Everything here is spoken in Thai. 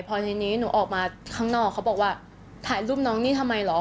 พอทีนี้หนูออกมาข้างนอกเขาบอกว่าถ่ายรูปน้องนี่ทำไมเหรอ